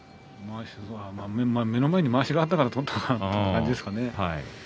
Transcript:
目の前にまわしがあったから取ったという感じですかね。